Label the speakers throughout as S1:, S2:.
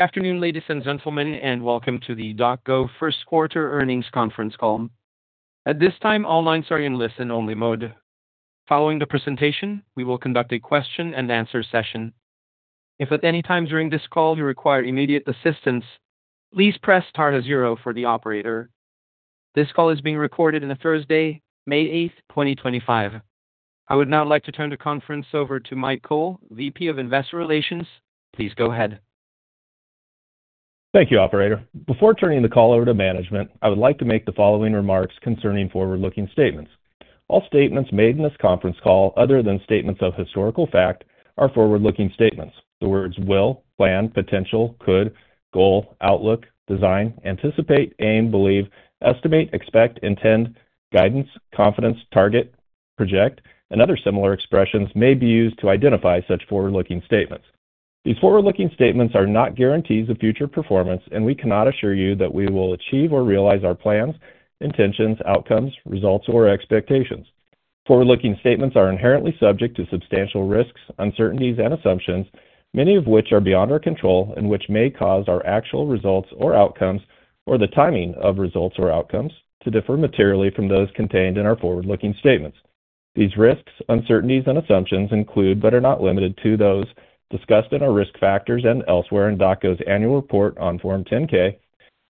S1: Good afternoon, ladies and gentlemen, and welcome to the DocGo first quarter earnings conference call. At this time, all lines are in listen-only mode. Following the presentation, we will conduct a question-and-answer session. If at any time during this call you require immediate assistance, please press star zero for the operator. This call is being recorded on Thursday, May 8, 2025. I would now like to turn the conference over to Mike Cole, VP of Investor Relations. Please go ahead.
S2: Thank you, Operator. Before turning the call over to management, I would like to make the following remarks concerning forward-looking statements. All statements made in this conference call, other than statements of historical fact, are forward-looking statements. The words will, plan, potential, could, goal, outlook, design, anticipate, aim, believe, estimate, expect, intend, guidance, confidence, target, project, and other similar expressions may be used to identify such forward-looking statements. These forward-looking statements are not guarantees of future performance, and we cannot assure you that we will achieve or realize our plans, intentions, outcomes, results, or expectations. Forward-looking statements are inherently subject to substantial risks, uncertainties, and assumptions, many of which are beyond our control and which may cause our actual results or outcomes, or the timing of results or outcomes, to differ materially from those contained in our forward-looking statements. These risks, uncertainties, and assumptions include, but are not limited to, those discussed in our risk factors and elsewhere in DocGo's annual report on Form 10-K,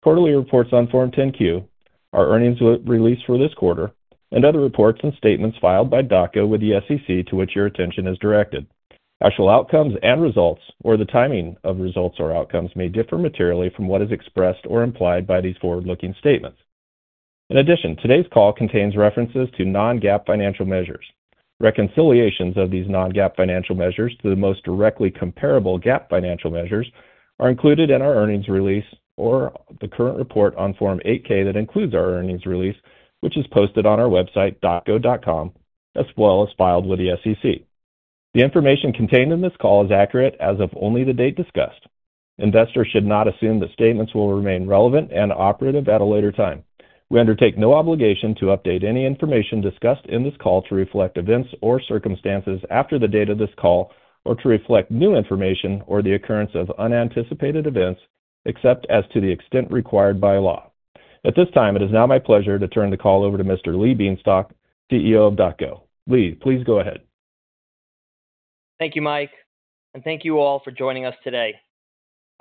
S2: quarterly reports on Form 10-Q, our earnings release for this quarter, and other reports and statements filed by DocGo with the SEC to which your attention is directed. Actual outcomes and results, or the timing of results or outcomes, may differ materially from what is expressed or implied by these forward-looking statements. In addition, today's call contains references to non-GAAP financial measures. Reconciliations of these non-GAAP financial measures to the most directly comparable GAAP financial measures are included in our earnings release or the current report on Form 8-K that includes our earnings release, which is posted on our website, docgo.com, as well as filed with the SEC. The information contained in this call is accurate as of only the date discussed. Investors should not assume the statements will remain relevant and operative at a later time. We undertake no obligation to update any information discussed in this call to reflect events or circumstances after the date of this call or to reflect new information or the occurrence of unanticipated events, except as to the extent required by law. At this time, it is now my pleasure to turn the call over to Mr. Lee Bienstock, CEO of DocGo. Lee, please go ahead.
S3: Thank you, Mike, and thank you all for joining us today.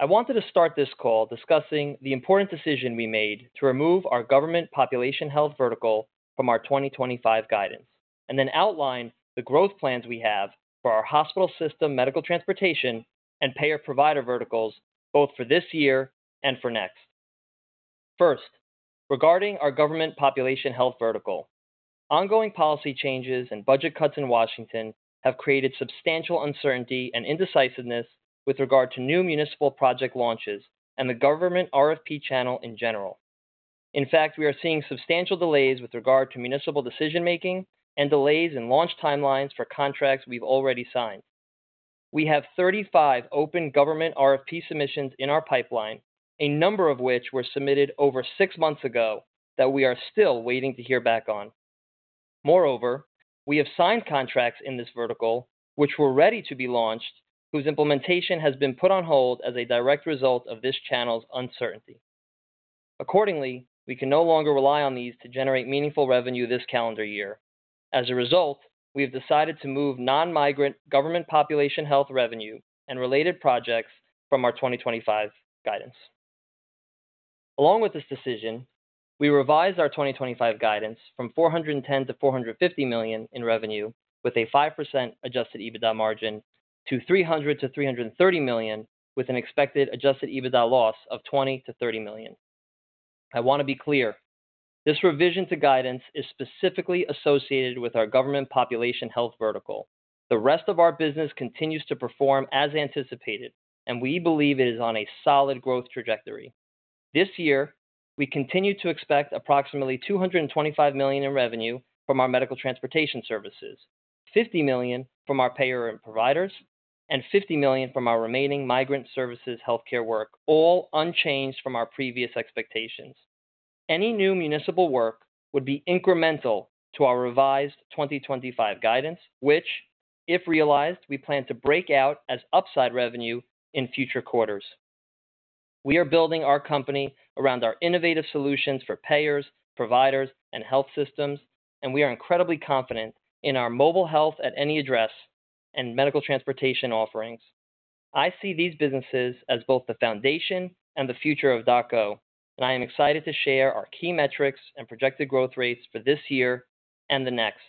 S3: I wanted to start this call discussing the important decision we made to remove our government population health vertical from our 2025 guidance and then outline the growth plans we have for our hospital system, medical transportation, and payer-provider verticals, both for this year and for next. First, regarding our government population health vertical, ongoing policy changes and budget cuts in Washington have created substantial uncertainty and indecisiveness with regard to new municipal project launches and the government RFP channel in general. In fact, we are seeing substantial delays with regard to municipal decision-making and delays in launch timelines for contracts we've already signed. We have 35 open government RFP submissions in our pipeline, a number of which were submitted over six months ago that we are still waiting to hear back on. Moreover, we have signed contracts in this vertical which were ready to be launched, whose implementation has been put on hold as a direct result of this channel's uncertainty. Accordingly, we can no longer rely on these to generate meaningful revenue this calendar year. As a result, we have decided to move non-migrant government population health revenue and related projects from our 2025 guidance. Along with this decision, we revised our 2025 guidance from $410 million-$450 million in revenue, with a 5% adjusted EBITDA margin, to $300 million-$330 million, with an expected adjusted EBITDA loss of $20 million-$30 million. I want to be clear: this revision to guidance is specifically associated with our government population health vertical. The rest of our business continues to perform as anticipated, and we believe it is on a solid growth trajectory. This year, we continue to expect approximately $225 million in revenue from our medical transportation services, $50 million from our payer and providers, and $50 million from our remaining migrant services healthcare work, all unchanged from our previous expectations. Any new municipal work would be incremental to our revised 2025 guidance, which, if realized, we plan to break out as upside revenue in future quarters. We are building our company around our innovative solutions for payers, providers, and health systems, and we are incredibly confident in our mobile health at any address and medical transportation offerings. I see these businesses as both the foundation and the future of DocGo, and I am excited to share our key metrics and projected growth rates for this year and the next.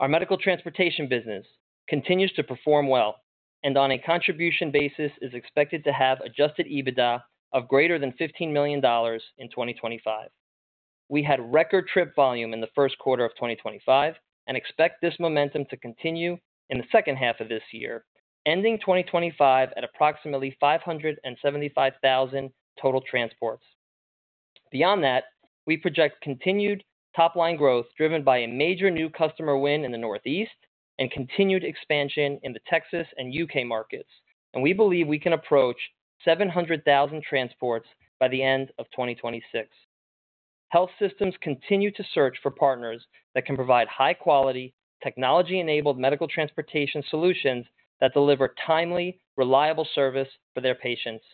S3: Our medical transportation business continues to perform well and, on a contribution basis, is expected to have adjusted EBITDA of greater than $15 million in 2025. We had record trip volume in the first quarter of 2025 and expect this momentum to continue in the second half of this year, ending 2025 at approximately 575,000 total transports. Beyond that, we project continued top-line growth driven by a major new customer win in the Northeast and continued expansion in the Texas and U.K. markets, and we believe we can approach 700,000 transports by the end of 2026. Health systems continue to search for partners that can provide high-quality, technology-enabled medical transportation solutions that deliver timely, reliable service for their patients.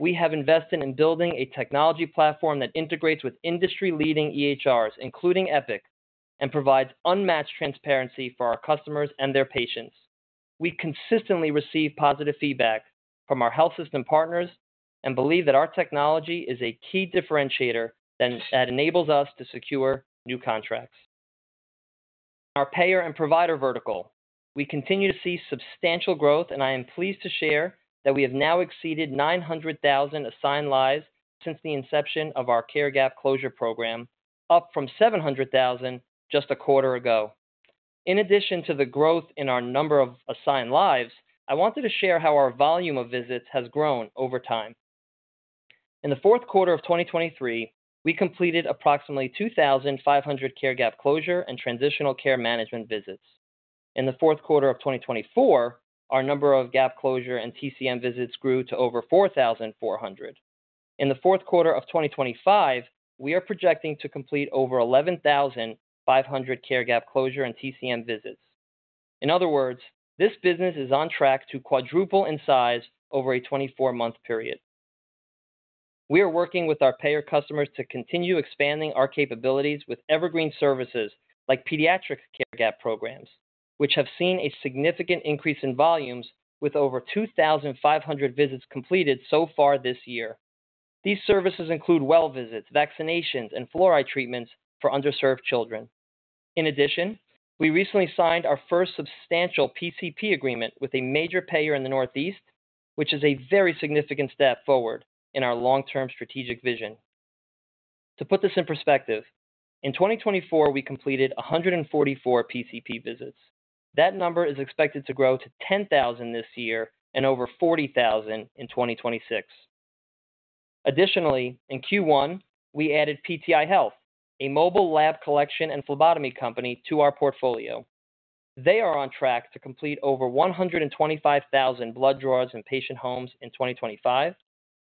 S3: We have invested in building a technology platform that integrates with industry-leading EHRs, including Epic, and provides unmatched transparency for our customers and their patients. We consistently receive positive feedback from our health system partners and believe that our technology is a key differentiator that enables us to secure new contracts. In our payer and provider vertical, we continue to see substantial growth, and I am pleased to share that we have now exceeded 900,000 assigned lives since the inception of our care gap closure program, up from 700,000 just a quarter ago. In addition to the growth in our number of assigned lives, I wanted to share how our volume of visits has grown over time. In the fourth quarter of 2023, we completed approximately 2,500 care gap closure and transitional care management visits. In the fourth quarter of 2024, our number of care gap closure and TCM visits grew to over 4,400. In the fourth quarter of 2025, we are projecting to complete over 11,500 care gap closure and TCM visits. In other words, this business is on track to quadruple in size over a 24-month period. We are working with our payer customers to continue expanding our capabilities with evergreen services like pediatric care gap programs, which have seen a significant increase in volumes, with over 2,500 visits completed so far this year. These services include well visits, vaccinations, and fluoride treatments for underserved children. In addition, we recently signed our first substantial PCP agreement with a major payer in the Northeast, which is a very significant step forward in our long-term strategic vision. To put this in perspective, in 2024, we completed 144 PCP visits. That number is expected to grow to 10,000 this year and over 40,000 in 2026. Additionally, in Q1, we added PTI Health, a mobile lab collection and phlebotomy company, to our portfolio. They are on track to complete over 125,000 blood draws in patient homes in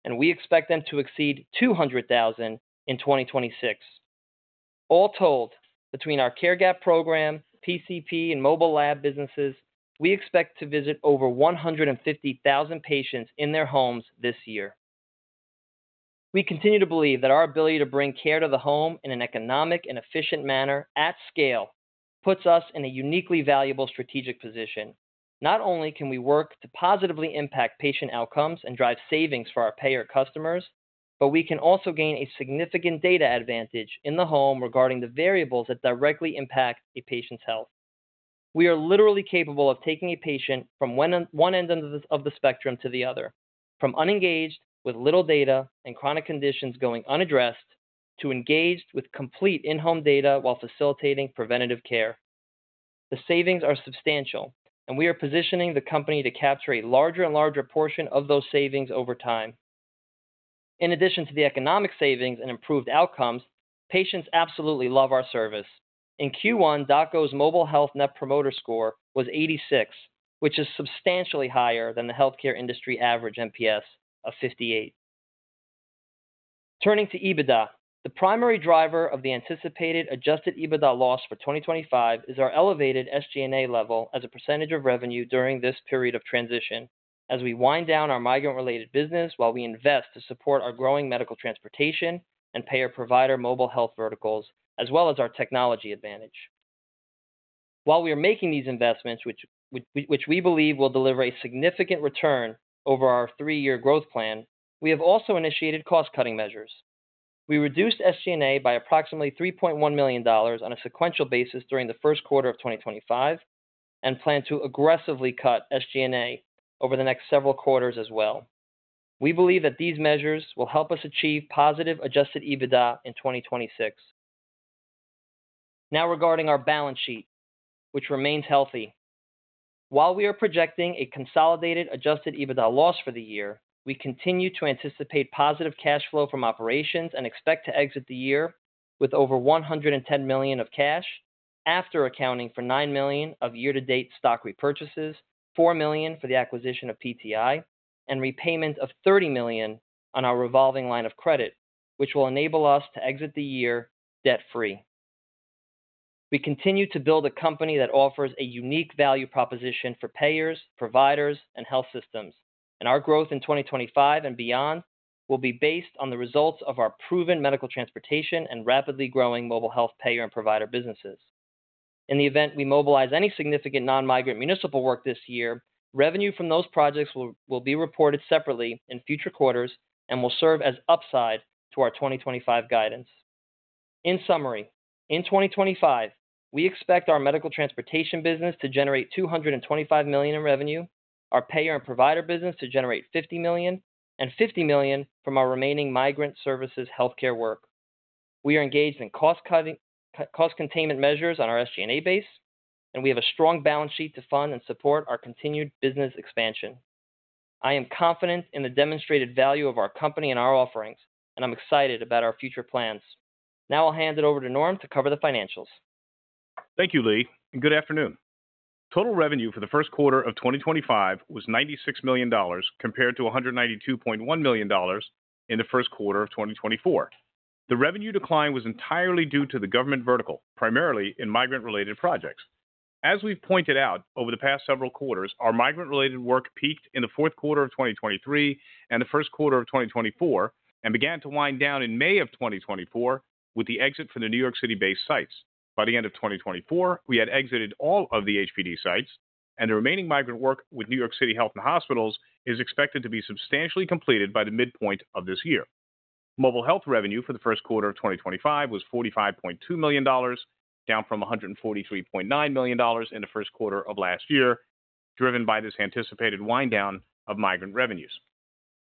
S3: 2025, and we expect them to exceed 200,000 in 2026. All told, between our CareGap program, PCP, and mobile lab businesses, we expect to visit over 150,000 patients in their homes this year. We continue to believe that our ability to bring care to the home in an economic and efficient manner at scale puts us in a uniquely valuable strategic position. Not only can we work to positively impact patient outcomes and drive savings for our payer customers, but we can also gain a significant data advantage in the home regarding the variables that directly impact a patient's health. We are literally capable of taking a patient from one end of the spectrum to the other, from unengaged with little data and chronic conditions going unaddressed to engaged with complete in-home data while facilitating preventative care. The savings are substantial, and we are positioning the company to capture a larger and larger portion of those savings over time. In addition to the economic savings and improved outcomes, patients absolutely love our service. In Q1, DocGo's mobile health net promoter score was 86, which is substantially higher than the healthcare industry average NPS of 58. Turning to EBITDA, the primary driver of the anticipated adjusted EBITDA loss for 2025 is our elevated SG&A level as a percentage of revenue during this period of transition, as we wind down our migrant-related business while we invest to support our growing medical transportation and payer-provider mobile health verticals, as well as our technology advantage. While we are making these investments, which we believe will deliver a significant return over our three-year growth plan, we have also initiated cost-cutting measures. We reduced SG&A by approximately $3.1 million on a sequential basis during the first quarter of 2025 and plan to aggressively cut SG&A over the next several quarters as well. We believe that these measures will help us achieve positive adjusted EBITDA in 2026. Now, regarding our balance sheet, which remains healthy. While we are projecting a consolidated adjusted EBITDA loss for the year, we continue to anticipate positive cash flow from operations and expect to exit the year with over $110 million of cash, after accounting for $9 million of year-to-date stock repurchases, $4 million for the acquisition of PTI, and repayment of $30 million on our revolving line of credit, which will enable us to exit the year debt-free. We continue to build a company that offers a unique value proposition for payers, providers, and health systems, and our growth in 2025 and beyond will be based on the results of our proven medical transportation and rapidly growing mobile health payer and provider businesses. In the event we mobilize any significant non-migrant municipal work this year, revenue from those projects will be reported separately in future quarters and will serve as upside to our 2025 guidance. In summary, in 2025, we expect our medical transportation business to generate $225 million in revenue, our payer and provider business to generate $50 million, and $50 million from our remaining migrant services healthcare work. We are engaged in cost-containment measures on our SG&A base, and we have a strong balance sheet to fund and support our continued business expansion. I am confident in the demonstrated value of our company and our offerings, and I'm excited about our future plans. Now I'll hand it over to Norm to cover the financials.
S4: Thank you, Lee, and good afternoon. Total revenue for the first quarter of 2025 was $96 million compared to $192.1 million in the first quarter of 2024. The revenue decline was entirely due to the government vertical, primarily in migrant-related projects. As we've pointed out, over the past several quarters, our migrant-related work peaked in the fourth quarter of 2023 and the first quarter of 2024 and began to wind down in May of 2024 with the exit from the New York City-based sites. By the end of 2024, we had exited all of the HPD sites, and the remaining migrant work with New York City Health and Hospitals is expected to be substantially completed by the midpoint of this year. Mobile health revenue for the first quarter of 2025 was $45.2 million, down from $143.9 million in the first quarter of last year, driven by this anticipated wind down of migrant revenues.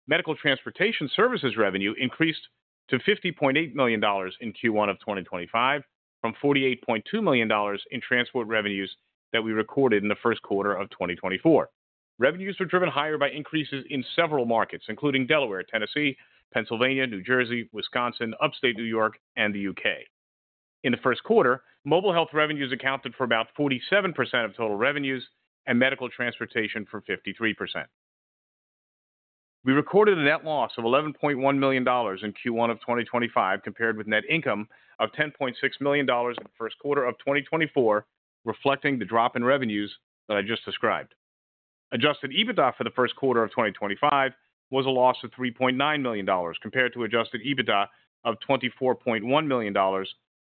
S4: Medical transportation services revenue increased to $50.8 million in Q1 of 2025 from $48.2 million in transport revenues that we recorded in the first quarter of 2024. Revenues were driven higher by increases in several markets, including Delaware, Tennessee, Pennsylvania, New Jersey, Wisconsin, Upstate New York, and the U.K. In the first quarter, mobile health revenues accounted for about 47% of total revenues and medical transportation for 53%. We recorded a net loss of $11.1 million in Q1 of 2025 compared with net income of $10.6 million in the first quarter of 2024, reflecting the drop in revenues that I just described. Adjusted EBITDA for the first quarter of 2025 was a loss of $3.9 million compared to adjusted EBITDA of $24.1 million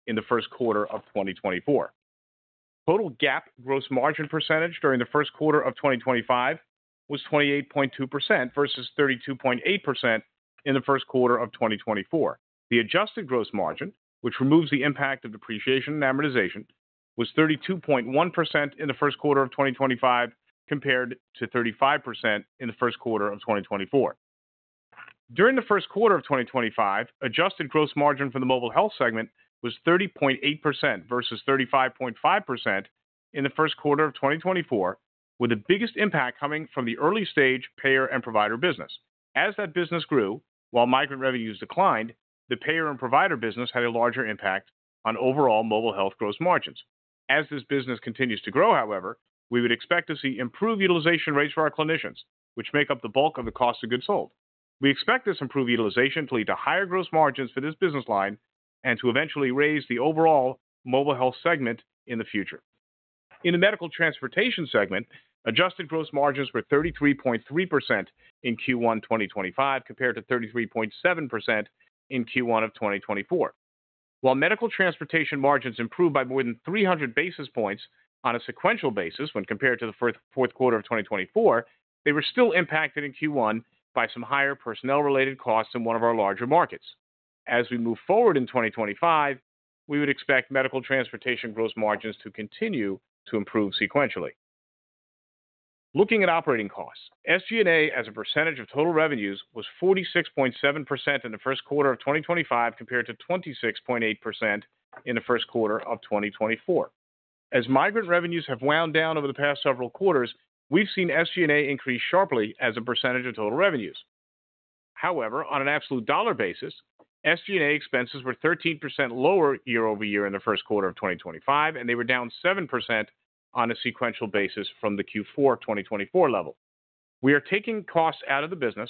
S4: in the first quarter of 2024. Total GAAP gross margin percentage during the first quarter of 2025 was 28.2% versus 32.8% in the first quarter of 2024. The adjusted gross margin, which removes the impact of depreciation and amortization, was 32.1% in the first quarter of 2025 compared to 35% in the first quarter of 2024. During the first quarter of 2025, adjusted gross margin for the mobile health segment was 30.8% versus 35.5% in the first quarter of 2024, with the biggest impact coming from the early-stage payer and provider business. As that business grew, while migrant revenues declined, the payer and provider business had a larger impact on overall mobile health gross margins. As this business continues to grow, however, we would expect to see improved utilization rates for our clinicians, which make up the bulk of the cost of goods sold. We expect this improved utilization to lead to higher gross margins for this business line and to eventually raise the overall mobile health segment in the future. In the medical transportation segment, adjusted gross margins were 33.3% in Q1 2025 compared to 33.7% in Q1 of 2024. While medical transportation margins improved by more than 300 basis points on a sequential basis when compared to the fourth quarter of 2024, they were still impacted in Q1 by some higher personnel-related costs in one of our larger markets. As we move forward in 2025, we would expect medical transportation gross margins to continue to improve sequentially. Looking at operating costs, SG&A as a percentage of total revenues was 46.7% in the first quarter of 2025 compared to 26.8% in the first quarter of 2024. As migrant revenues have wound down over the past several quarters, we've seen SG&A increase sharply as a percentage of total revenues. However, on an absolute dollar basis, SG&A expenses were 13% lower year-over-year in the first quarter of 2025, and they were down 7% on a sequential basis from the Q4 2024 level. We are taking costs out of the business,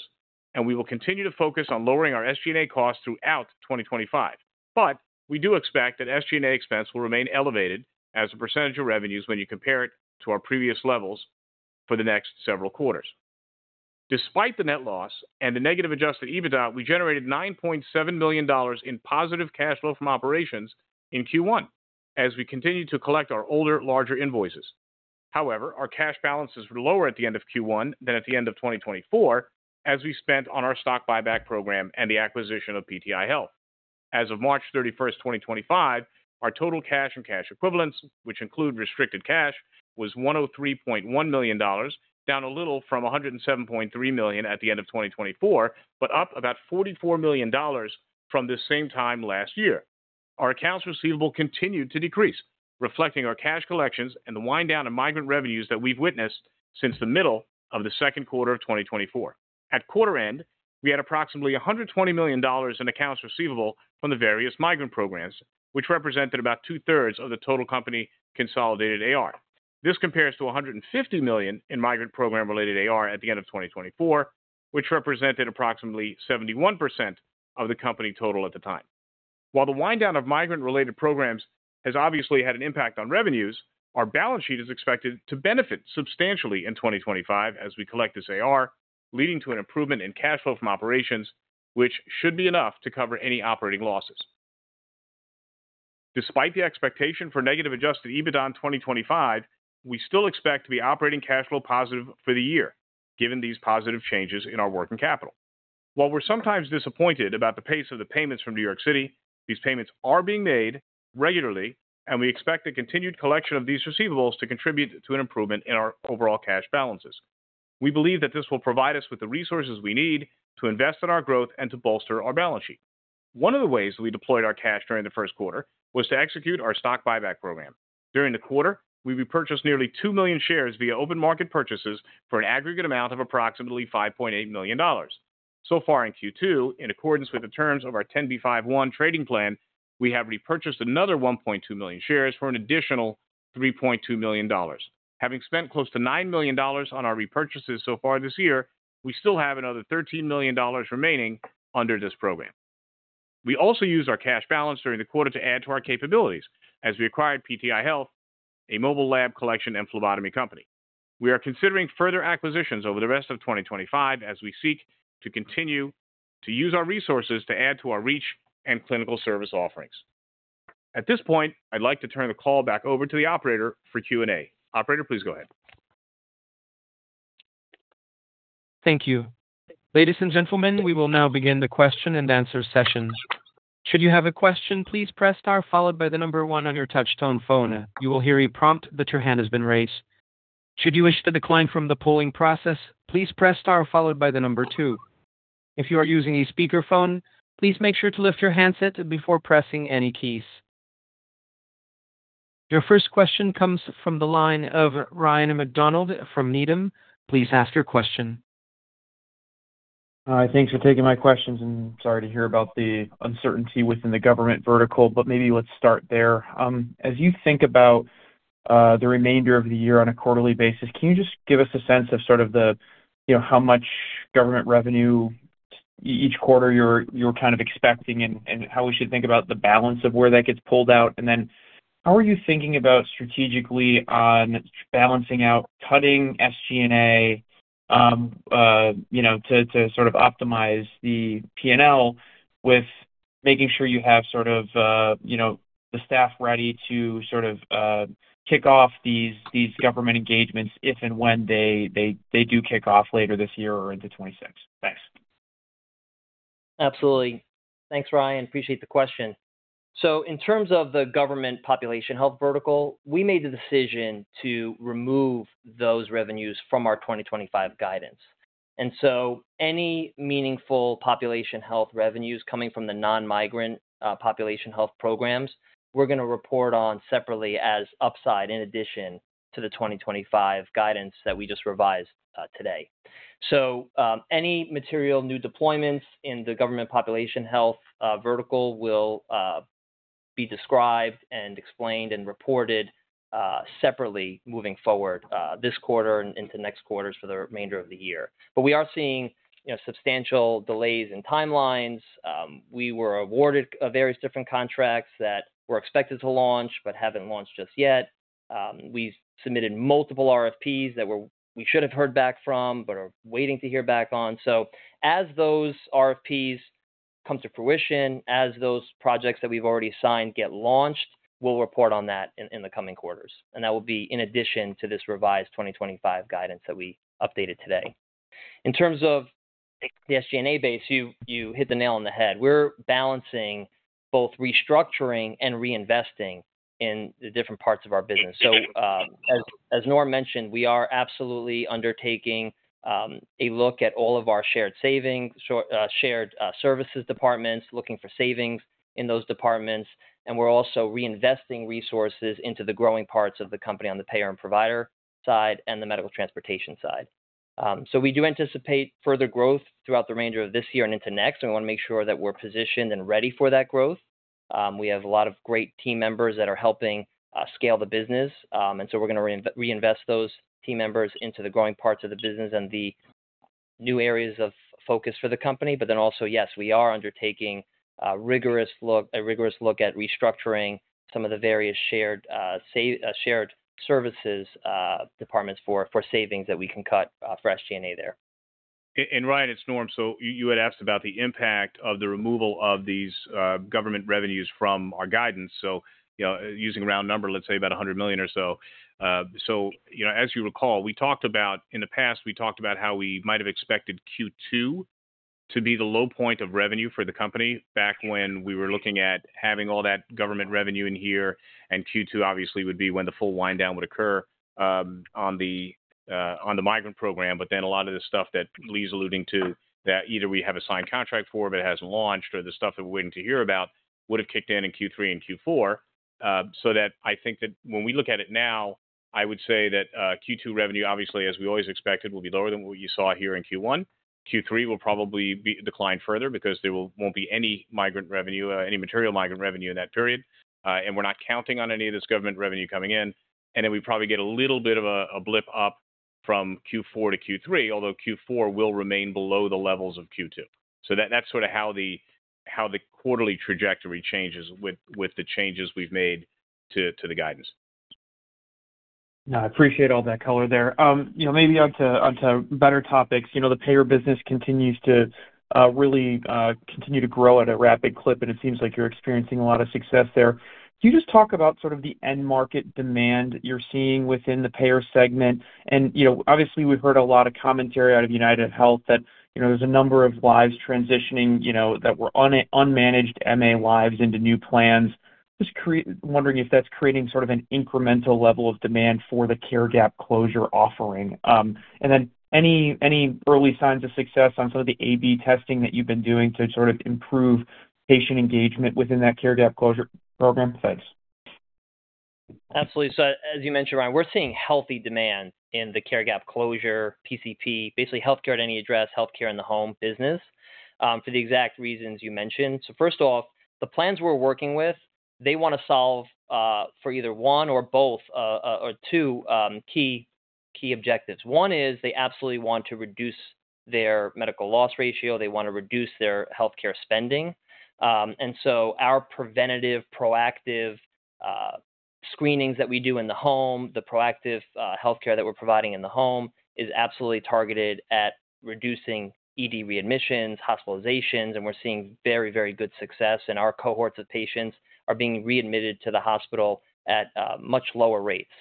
S4: and we will continue to focus on lowering our SG&A costs throughout 2025, but we do expect that SG&A expense will remain elevated as a percentage of revenues when you compare it to our previous levels for the next several quarters. Despite the net loss and the negative adjusted EBITDA, we generated $9.7 million in positive cash flow from operations in Q1 as we continued to collect our older, larger invoices. However, our cash balance is lower at the end of Q1 than at the end of 2024 as we spent on our stock buyback program and the acquisition of PTI Health. As of March 31, 2025, our total cash and cash equivalents, which include restricted cash, was $103.1 million, down a little from $107.3 million at the end of 2024, but up about $44 million from the same time last year. Our accounts receivable continued to decrease, reflecting our cash collections and the wind down of migrant revenues that we've witnessed since the middle of the second quarter of 2024. At quarter end, we had approximately $120 million in accounts receivable from the various migrant programs, which represented about two-thirds of the total company consolidated AR. This compares to $150 million in migrant program-related AR at the end of 2024, which represented approximately 71% of the company total at the time. While the wind down of migrant-related programs has obviously had an impact on revenues, our balance sheet is expected to benefit substantially in 2025 as we collect this AR, leading to an improvement in cash flow from operations, which should be enough to cover any operating losses. Despite the expectation for negative adjusted EBITDA in 2025, we still expect to be operating cash flow positive for the year, given these positive changes in our working capital. While we're sometimes disappointed about the pace of the payments from New York City, these payments are being made regularly, and we expect the continued collection of these receivables to contribute to an improvement in our overall cash balances. We believe that this will provide us with the resources we need to invest in our growth and to bolster our balance sheet. One of the ways that we deployed our cash during the first quarter was to execute our stock buyback program. During the quarter, we repurchased nearly 2 million shares via open market purchases for an aggregate amount of approximately $5.8 million. So far in Q2, in accordance with the terms of our 10b5-1 trading plan, we have repurchased another 1.2 million shares for an additional $3.2 million. Having spent close to $9 million on our repurchases so far this year, we still have another $13 million remaining under this program. We also used our cash balance during the quarter to add to our capabilities as we acquired PTI Health, a mobile lab collection and phlebotomy company. We are considering further acquisitions over the rest of 2025 as we seek to continue to use our resources to add to our reach and clinical service offerings. At this point, I'd like to turn the call back over to the operator for Q&A. Operator, please go ahead.
S1: Thank you. Ladies and gentlemen, we will now begin the question and answer session. Should you have a question, please press star followed by the number one on your touch-tone phone. You will hear a prompt that your hand has been raised. Should you wish to decline from the polling process, please press star followed by the number two. If you are using a speakerphone, please make sure to lift your handset before pressing any keys. Your first question comes from the line of Ryan MacDonald from Needham. Please ask your question.
S5: Hi, thanks for taking my questions. Sorry to hear about the uncertainty within the government vertical, but maybe let's start there. As you think about the remainder of the year on a quarterly basis, can you just give us a sense of sort of the, you know, how much government revenue each quarter you're kind of expecting and how we should think about the balance of where that gets pulled out? How are you thinking about strategically balancing out, cutting SG&A to sort of optimize the P&L with making sure you have sort of, you know, the staff ready to sort of kick off these government engagements if and when they do kick off later this year or into 2026? Thanks.
S3: Absolutely. Thanks, Ryan. Appreciate the question. In terms of the government population health vertical, we made the decision to remove those revenues from our 2025 guidance. Any meaningful population health revenues coming from the non-migrant population health programs, we're going to report on separately as upside in addition to the 2025 guidance that we just revised today. Any material new deployments in the government population health vertical will be described and explained and reported separately moving forward this quarter and into next quarters for the remainder of the year. We are seeing, you know, substantial delays in timelines. We were awarded various different contracts that were expected to launch but have not launched just yet. We submitted multiple RFPs that we should have heard back from but are waiting to hear back on. As those RFPs come to fruition, as those projects that we've already signed get launched, we'll report on that in the coming quarters. That will be in addition to this revised 2025 guidance that we updated today. In terms of the SG&A base, you hit the nail on the head. We're balancing both restructuring and reinvesting in the different parts of our business. As Norm mentioned, we are absolutely undertaking a look at all of our shared savings, shared services departments, looking for savings in those departments. We're also reinvesting resources into the growing parts of the company on the payer and provider side and the medical transportation side. We do anticipate further growth throughout the remainder of this year and into next. We want to make sure that we're positioned and ready for that growth. We have a lot of great team members that are helping scale the business. We are going to reinvest those team members into the growing parts of the business and the new areas of focus for the company. Yes, we are undertaking a rigorous look at restructuring some of the various shared services departments for savings that we can cut for SG&A there.
S4: Ryan, it's Norm. You had asked about the impact of the removal of these government revenues from our guidance. You know, using a round number, let's say about $100 million or so. You know, as you recall, we talked about in the past, we talked about how we might have expected Q2 to be the low point of revenue for the company back when we were looking at having all that government revenue in here. Q2 obviously would be when the full wind down would occur on the migrant program. A lot of the stuff that Lee's alluding to, that either we have a signed contract for, but it hasn't launched, or the stuff that we're waiting to hear about would have kicked in in Q3 and Q4. I think that when we look at it now, I would say that Q2 revenue, obviously, as we always expected, will be lower than what you saw here in Q1. Q3 will probably decline further because there will not be any migrant revenue, any material migrant revenue in that period. We are not counting on any of this government revenue coming in. We probably get a little bit of a blip up from Q4 to Q3, although Q4 will remain below the levels of Q2. That is sort of how the quarterly trajectory changes with the changes we have made to the guidance.
S5: Yeah, I appreciate all that color there. You know, maybe onto better topics. You know, the payer business continues to really continue to grow at a rapid clip, and it seems like you're experiencing a lot of success there. Can you just talk about sort of the end market demand that you're seeing within the payer segment? You know, obviously, we've heard a lot of commentary out of UnitedHealth that, you know, there's a number of lives transitioning, you know, that were unmanaged MA lives into new plans. Just wondering if that's creating sort of an incremental level of demand for the care gap closure offering. And then any early signs of success on some of the AB testing that you've been doing to sort of improve patient engagement within that care gap closure program? Thanks.
S3: Absolutely. As you mentioned, Ryan, we're seeing healthy demand in the care gap closure, PCP, basically healthcare at any address, healthcare in the home business for the exact reasons you mentioned. First off, the plans we're working with, they want to solve for either one or both of two key objectives. One is they absolutely want to reduce their medical loss ratio. They want to reduce their healthcare spending. Our preventative, proactive screenings that we do in the home, the proactive healthcare that we're providing in the home is absolutely targeted at reducing ED readmissions, hospitalizations, and we're seeing very, very good success. Our cohorts of patients are being readmitted to the hospital at much lower rates.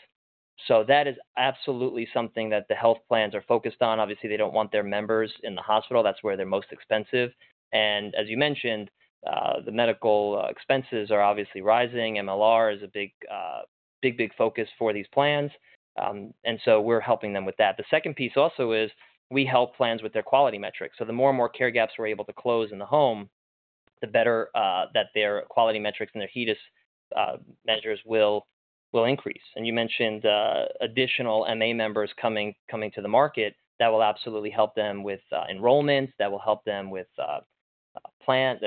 S3: That is absolutely something that the health plans are focused on. Obviously, they don't want their members in the hospital. That's where they're most expensive. As you mentioned, the medical expenses are obviously rising. MLR is a big, big, big focus for these plans. We're helping them with that. The second piece also is we help plans with their quality metrics. The more and more care gaps we're able to close in the home, the better that their quality metrics and their HEDIS measures will increase. You mentioned additional MA members coming to the market. That will absolutely help them with enrollments. That will help them with plan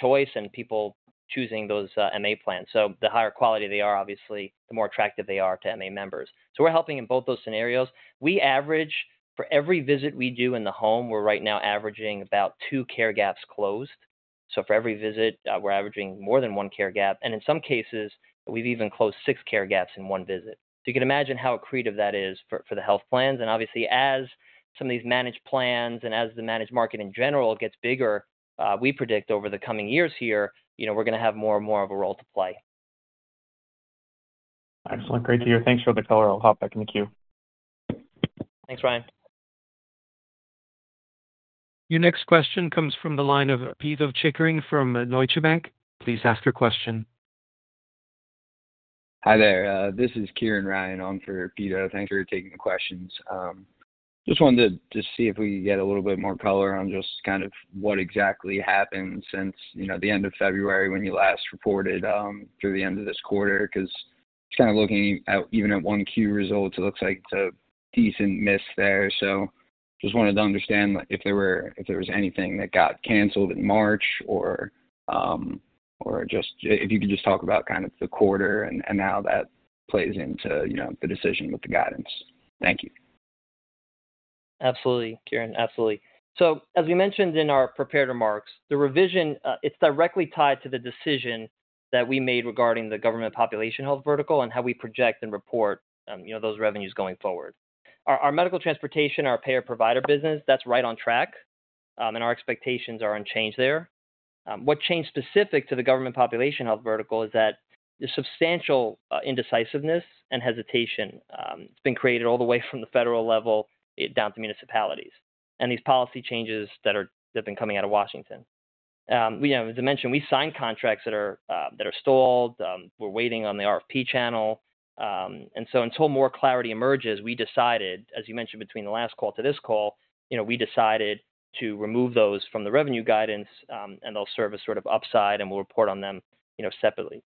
S3: choice and people choosing those MA plans. The higher quality they are, obviously, the more attractive they are to MA members. We're helping in both those scenarios. We average for every visit we do in the home, we're right now averaging about two care gaps closed. For every visit, we're averaging more than one care gap. In some cases, we've even closed six care gaps in one visit. You can imagine how creative that is for the health plans. Obviously, as some of these managed plans and as the managed market in general gets bigger, we predict over the coming years here, you know, we're going to have more and more of a role to play.
S5: Excellent. Great to hear. Thanks for the color. I'll hop back in the queue.
S3: Thanks, Ryan.
S1: Your next question comes from the line of Pito Chickering from Deutsche Bank. Please ask your question.
S6: Hi there. This is Kieran Ryan on for Pito. Thanks for taking the questions. Just wanted to see if we could get a little bit more color on just kind of what exactly happened since, you know, the end of February when you last reported through the end of this quarter. Because it's kind of looking at even at 1Q result, it looks like it's a decent miss there. Just wanted to understand if there was anything that got canceled in March or just if you could just talk about kind of the quarter and how that plays into, you know, the decision with the guidance. Thank you.
S3: Absolutely, Kieran. Absolutely. As we mentioned in our prepared remarks, the revision, it's directly tied to the decision that we made regarding the government population health vertical and how we project and report, you know, those revenues going forward. Our medical transportation, our payer provider business, that's right on track. Our expectations are unchanged there. What changed specific to the government population health vertical is that there's substantial indecisiveness and hesitation. It's been created all the way from the federal level down to municipalities. These policy changes that have been coming out of Washington. You know, as I mentioned, we signed contracts that are stalled. We're waiting on the RFP channel. Until more clarity emerges, we decided, as you mentioned, between the last call to this call, you know, we decided to remove those from the revenue guidance and they'll serve as sort of upside and we'll report on them, you know, separately.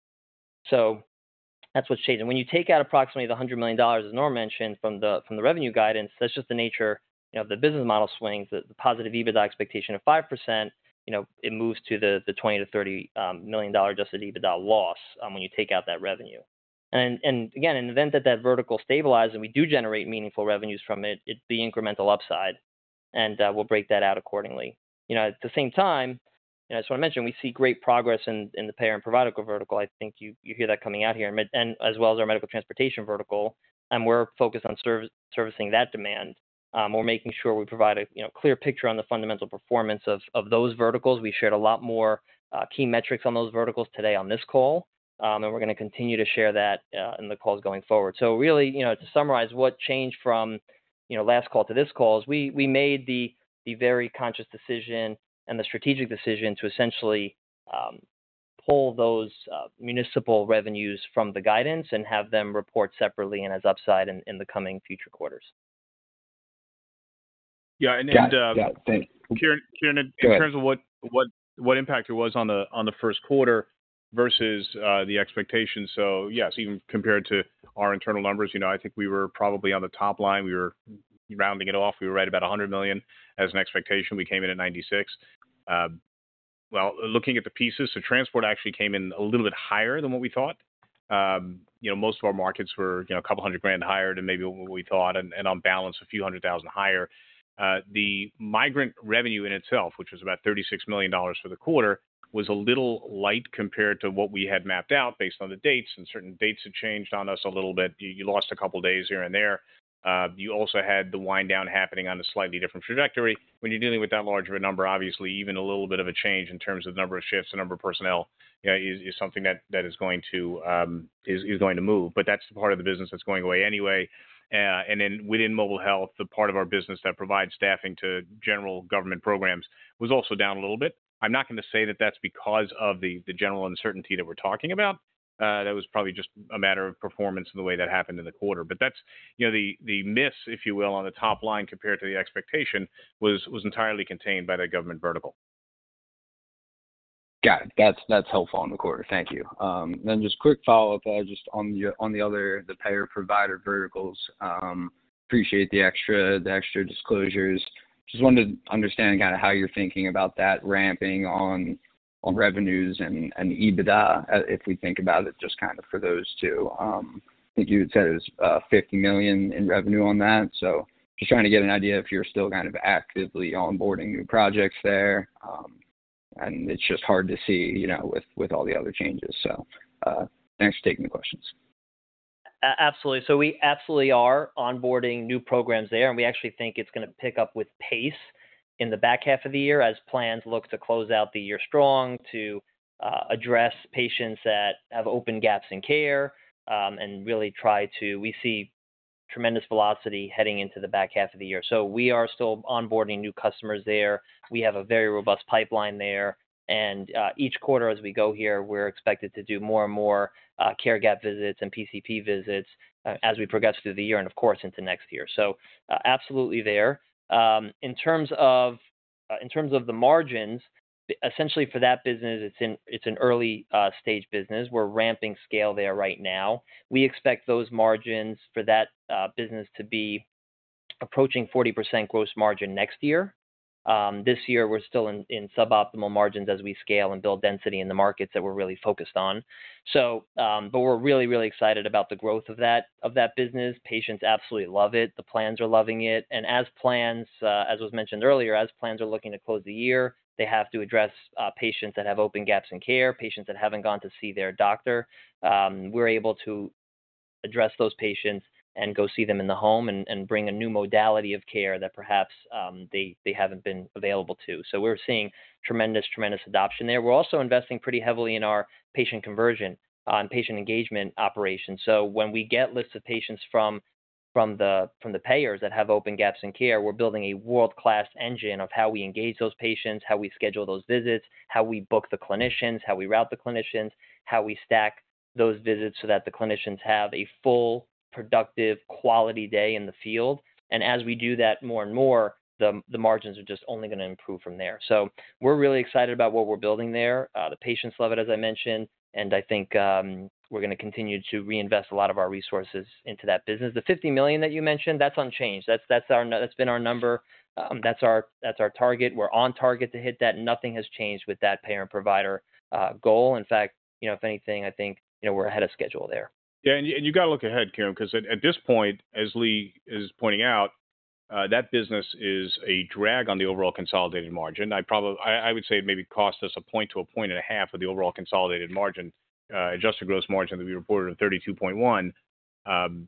S3: That's what's changed. When you take out approximately the $100 million, as Norm mentioned, from the revenue guidance, that's just the nature of the business model swings. The positive EBITDA expectation of 5%, you know, it moves to the $20 million-$30 million adjusted EBITDA loss when you take out that revenue. Again, in the event that that vertical stabilizes and we do generate meaningful revenues from it, it'd be incremental upside. We'll break that out accordingly. You know, at the same time, you know, as I mentioned, we see great progress in the payer and provider vertical. I think you hear that coming out here. As well as our medical transportation vertical, we're focused on servicing that demand. We're making sure we provide a clear picture on the fundamental performance of those verticals. We shared a lot more key metrics on those verticals today on this call. We're going to continue to share that in the calls going forward. Really, you know, to summarize what changed from, you know, last call to this call is we made the very conscious decision and the strategic decision to essentially pull those municipal revenues from the guidance and have them report separately and as upside in the coming future quarters.
S4: Yeah. And.
S3: Thanks.
S4: Kieran, in terms of what impact it was on the first quarter versus the expectation. Yes, even compared to our internal numbers, you know, I think we were probably on the top line. We were rounding it off. We were right about $100 million as an expectation. We came in at $96 million. Looking at the pieces, the transport actually came in a little bit higher than what we thought. You know, most of our markets were, you know, a couple hundred grand higher than maybe what we thought and on balance a few hundred thousand higher. The migrant revenue in itself, which was about $36 million for the quarter, was a little light compared to what we had mapped out based on the dates. Certain dates had changed on us a little bit. You lost a couple of days here and there. You also had the wind down happening on a slightly different trajectory. When you're dealing with that larger number, obviously, even a little bit of a change in terms of the number of shifts, the number of personnel, you know, is something that is going to move. That is the part of the business that is going away anyway. Within mobile health, the part of our business that provides staffing to general government programs was also down a little bit. I'm not going to say that is because of the general uncertainty that we're talking about. That was probably just a matter of performance in the way that happened in the quarter. That is, you know, the miss, if you will, on the top line compared to the expectation was entirely contained by the government vertical.
S6: Got it. That's helpful on the quarter. Thank you. Just quick follow-up just on the other payer provider verticals. Appreciate the extra disclosures. Just wanted to understand kind of how you're thinking about that ramping on revenues and EBITDA, if we think about it just kind of for those two. I think you had said it was $50 million in revenue on that. Just trying to get an idea if you're still kind of actively onboarding new projects there. It's just hard to see, you know, with all the other changes. Thanks for taking the questions.
S3: Absolutely. We absolutely are onboarding new programs there. We actually think it's going to pick up with pace in the back half of the year as plans look to close out the year strong to address patients that have open gaps in care and really try to, we see tremendous velocity heading into the back half of the year. We are still onboarding new customers there. We have a very robust pipeline there. Each quarter as we go here, we're expected to do more and more care gap visits and PCP visits as we progress through the year and, of course, into next year. Absolutely there. In terms of the margins, essentially for that business, it's an early stage business. We're ramping scale there right now. We expect those margins for that business to be approaching 40% gross margin next year. This year, we're still in suboptimal margins as we scale and build density in the markets that we're really focused on. We're really, really excited about the growth of that business. Patients absolutely love it. The plans are loving it. As plans, as was mentioned earlier, as plans are looking to close the year, they have to address patients that have open gaps in care, patients that haven't gone to see their doctor. We're able to address those patients and go see them in the home and bring a new modality of care that perhaps they haven't been available to. We're seeing tremendous, tremendous adoption there. We're also investing pretty heavily in our patient conversion and patient engagement operations. When we get lists of patients from the payers that have open gaps in care, we're building a world-class engine of how we engage those patients, how we schedule those visits, how we book the clinicians, how we route the clinicians, how we stack those visits so that the clinicians have a full, productive, quality day in the field. As we do that more and more, the margins are just only going to improve from there. We're really excited about what we're building there. The patients love it, as I mentioned. I think we're going to continue to reinvest a lot of our resources into that business. The $50 million that you mentioned, that's unchanged. That's been our number. That's our target. We're on target to hit that. Nothing has changed with that payer and provider goal. In fact, you know, if anything, I think, you know, we're ahead of schedule there.
S4: Yeah. You have to look ahead, Kieran, because at this point, as Lee is pointing out, that business is a drag on the overall consolidated margin. I would say it maybe costs us a point to a point and a half of the overall consolidated margin, adjusted gross margin that we reported of 32.1%.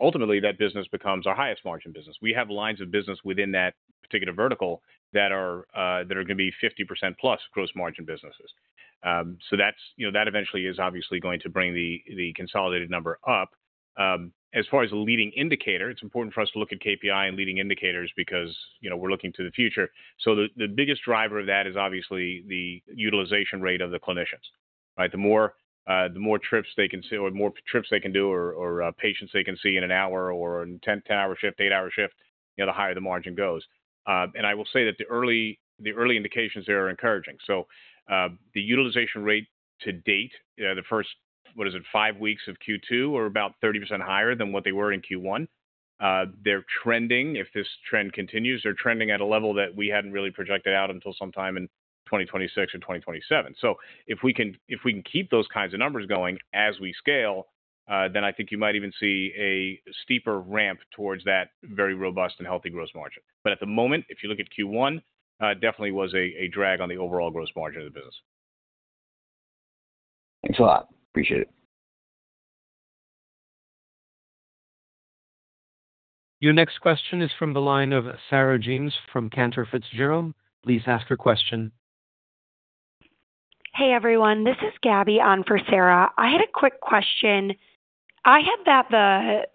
S4: Ultimately, that business becomes our highest margin business. We have lines of business within that particular vertical that are going to be 50% plus gross margin businesses. That eventually is obviously going to bring the consolidated number up. As far as a leading indicator, it is important for us to look at KPI and leading indicators because, you know, we are looking to the future. The biggest driver of that is obviously the utilization rate of the clinicians, right? The more trips they can see or more trips they can do or patients they can see in an hour or a 10-hour shift, 8-hour shift, you know, the higher the margin goes. I will say that the early indications there are encouraging. The utilization rate to date, the first, what is it, five weeks of Q2 are about 30% higher than what they were in Q1. They're trending, if this trend continues, they're trending at a level that we hadn't really projected out until sometime in 2026 or 2027. If we can keep those kinds of numbers going as we scale, then I think you might even see a steeper ramp towards that very robust and healthy gross margin. At the moment, if you look at Q1, definitely was a drag on the overall gross margin of the business.
S6: Thanks a lot. Appreciate it.
S1: Your next question is from the line of Sarah James from Cantor Fitzgerald. Please ask your question. Hey, everyone. This is Gabby on for Sarah. I had a quick question. I had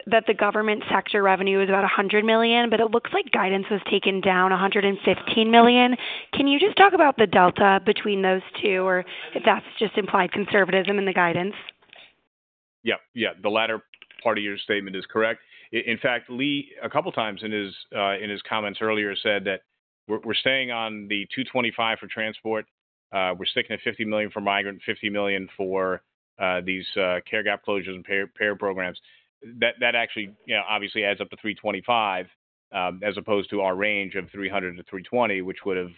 S1: that the government sector revenue was about $100 million, but it looks like guidance was taken down $115 million. Can you just talk about the delta between those two or if that's just implied conservatism in the guidance?
S4: Yep. Yeah. The latter part of your statement is correct. In fact, Lee, a couple of times in his comments earlier said that we're staying on the $225 million for transport. We're sticking at $50 million for migrant, $50 million for these care gap closures and payer programs. That actually, you know, obviously adds up to $325 million as opposed to our range of $300 million-$320 million, which would have,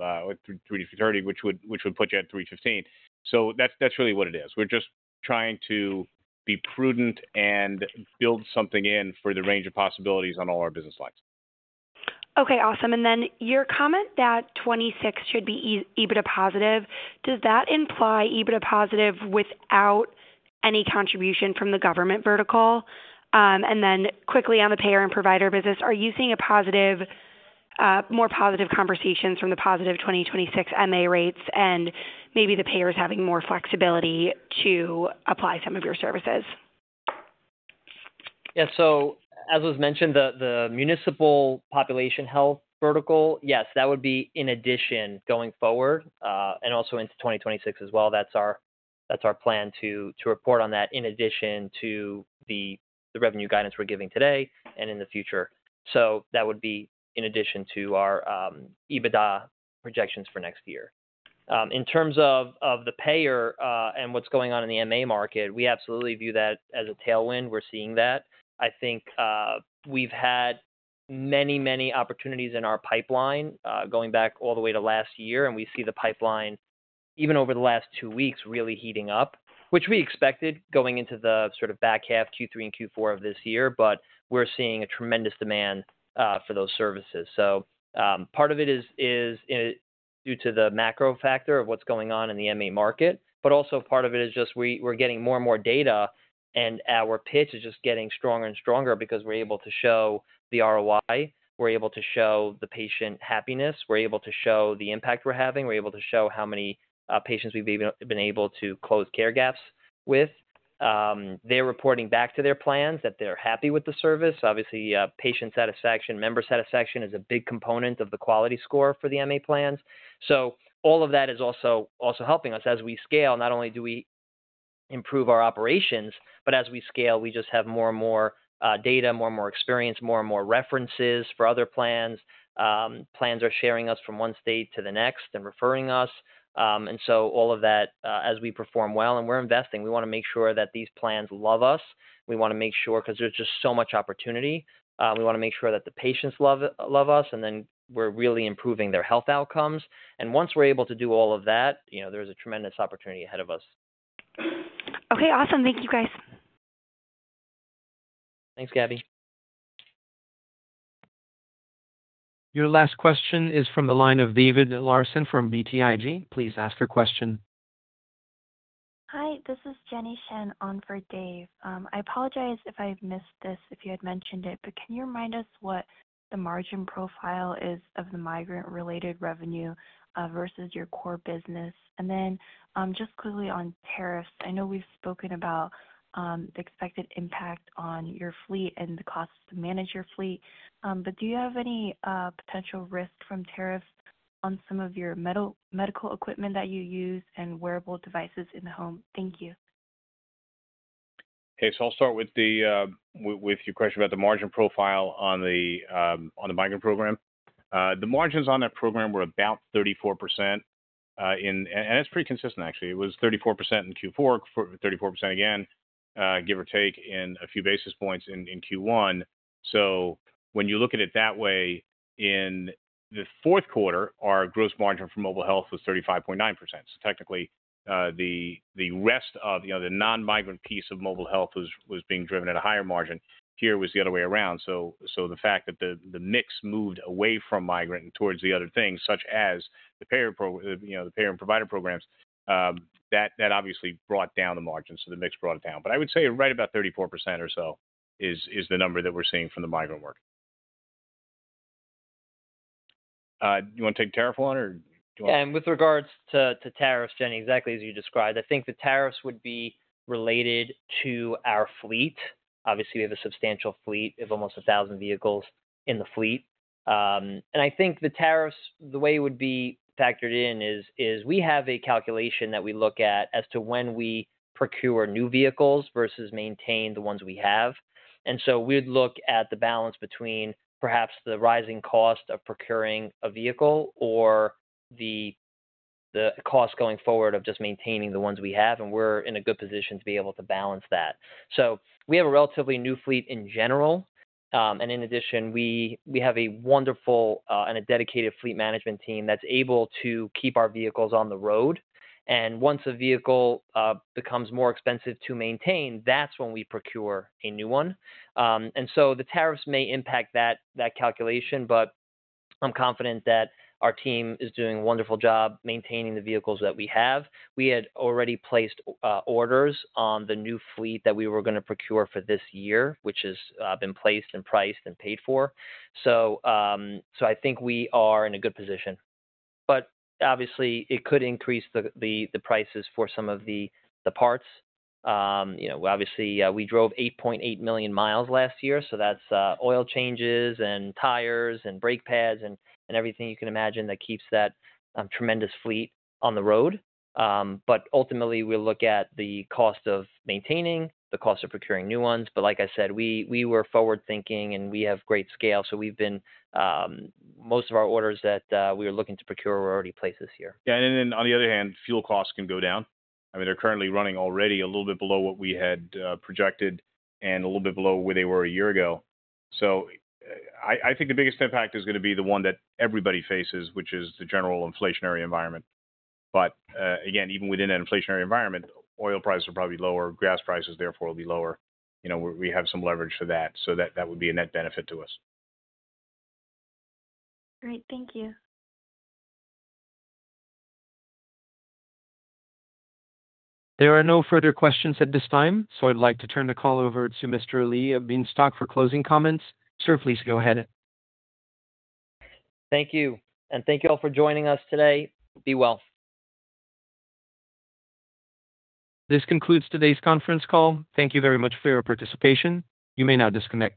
S4: or $300 million-$330 million, which would put you at $315 million. So that's really what it is. We're just trying to be prudent and build something in for the range of possibilities on all our business lines. Okay. Awesome. Then your comment that 26 should be EBITDA positive, does that imply EBITDA positive without any contribution from the government vertical? Quickly on the payer and provider business, are you seeing a positive, more positive conversations from the positive 2026 MA rates and maybe the payers having more flexibility to apply some of your services?
S3: Yeah. As was mentioned, the municipal population health vertical, yes, that would be in addition going forward and also into 2026 as well. That is our plan to report on that in addition to the revenue guidance we are giving today and in the future. That would be in addition to our EBITDA projections for next year. In terms of the payer and what is going on in the MA market, we absolutely view that as a tailwind. We are seeing that. I think we have had many, many opportunities in our pipeline going back all the way to last year. We see the pipeline even over the last two weeks really heating up, which we expected going into the sort of back half Q3 and Q4 of this year. We are seeing a tremendous demand for those services. Part of it is due to the macro factor of what's going on in the MA market. But also part of it is just we're getting more and more data. And our pitch is just getting stronger and stronger because we're able to show the ROI. We're able to show the patient happiness. We're able to show the impact we're having. We're able to show how many patients we've even been able to close care gaps with. They're reporting back to their plans that they're happy with the service. Obviously, patient satisfaction, member satisfaction is a big component of the quality score for the MA plans. All of that is also helping us as we scale. Not only do we improve our operations, but as we scale, we just have more and more data, more and more experience, more and more references for other plans. Plans are sharing us from one state to the next and referring us. All of that as we perform well. We are investing. We want to make sure that these plans love us. We want to make sure because there is just so much opportunity. We want to make sure that the patients love us. We are really improving their health outcomes. Once we are able to do all of that, you know, there is a tremendous opportunity ahead of us. Okay. Awesome. Thank you, guys. Thanks, Gabby.
S1: Your last question is from the line of David Larsen, Larsen from BTIG. Please ask your question.
S7: Hi. This is Jenny Shen on for Dave. I apologize if I've missed this if you had mentioned it, but can you remind us what the margin profile is of the migrant-related revenue versus your core business? Then just quickly on tariffs, I know we've spoken about the expected impact on your fleet and the costs to manage your fleet. Do you have any potential risk from tariffs on some of your medical equipment that you use and wearable devices in the home? Thank you.
S4: Okay. So I'll start with your question about the margin profile on the migrant program. The margins on that program were about 34%. And it's pretty consistent, actually. It was 34% in Q4, 34% again, give or take in a few basis points in Q1. When you look at it that way, in the fourth quarter, our gross margin for mobile health was 35.9%. Technically, the rest of the non-migrant piece of mobile health was being driven at a higher margin. Here it was the other way around. The fact that the mix moved away from migrant and towards the other things, such as the payer and provider programs, that obviously brought down the margins. The mix brought it down. I would say right about 34% or so is the number that we're seeing from the migrant work. Do you want to take a tariff on or do you want to?
S3: Yeah. With regards to tariffs, Jenny, exactly as you described, I think the tariffs would be related to our fleet. Obviously, we have a substantial fleet of almost 1,000 vehicles in the fleet. I think the tariffs, the way it would be factored in is we have a calculation that we look at as to when we procure new vehicles versus maintain the ones we have. We look at the balance between perhaps the rising cost of procuring a vehicle or the cost going forward of just maintaining the ones we have. We are in a good position to be able to balance that. We have a relatively new fleet in general. In addition, we have a wonderful and dedicated fleet management team that is able to keep our vehicles on the road. Once a vehicle becomes more expensive to maintain, that's when we procure a new one. The tariffs may impact that calculation, but I'm confident that our team is doing a wonderful job maintaining the vehicles that we have. We had already placed orders on the new fleet that we were going to procure for this year, which has been placed and priced and paid for. I think we are in a good position. It could increase the prices for some of the parts. You know, obviously, we drove 8.8 million miles last year. That's oil changes and tires and brake pads and everything you can imagine that keeps that tremendous fleet on the road. Ultimately, we'll look at the cost of maintaining, the cost of procuring new ones. Like I said, we were forward-thinking and we have great scale. We've been most of our orders that we were looking to procure were already placed this year.
S4: Yeah. On the other hand, fuel costs can go down. I mean, they're currently running already a little bit below what we had projected and a little bit below where they were a year ago. I think the biggest impact is going to be the one that everybody faces, which is the general inflationary environment. Again, even within that inflationary environment, oil prices are probably lower. Gas prices, therefore, will be lower. You know, we have some leverage for that. That would be a net benefit to us.
S7: Great. Thank you.
S1: There are no further questions at this time. So I'd like to turn the call over to Mr. Lee Bienstock for closing comments. Sir, please go ahead.
S3: Thank you. Thank you all for joining us today. Be well.
S1: This concludes today's conference call. Thank you very much for your participation. You may now disconnect.